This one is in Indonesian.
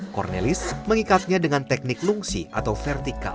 cornelis mengikatnya dengan teknik lungsi atau vertikal